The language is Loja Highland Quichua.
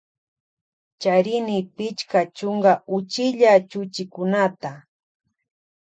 Charini pichka chunka uchilla chuchikunata.